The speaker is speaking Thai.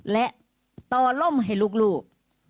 และต่อล่มให้ลูก